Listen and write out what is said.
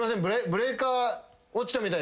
ブレーカー落ちたみたいです。